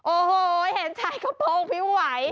โอ้โหเห็นชายกระโปรงพิ้วไหว